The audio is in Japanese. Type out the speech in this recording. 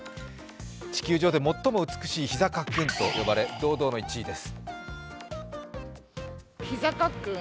地球上で最も美しい膝カックンと呼ばれ堂々の１位です。